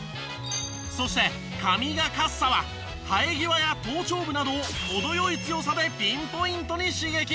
そしてカミガかっさは生え際や頭頂部などを程良い強さでピンポイントに刺激！